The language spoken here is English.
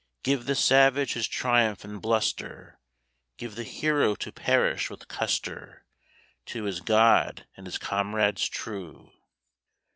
Give the savage his triumph and bluster, Give the hero to perish with Custer, To his God and his comrades true.